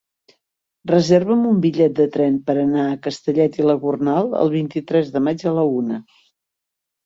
Reserva'm un bitllet de tren per anar a Castellet i la Gornal el vint-i-tres de maig a la una.